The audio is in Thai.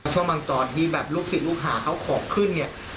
ช่วงบางตอนที่แบบลูกศิษย์ลูกหาเขาของขึ้นเนี่ย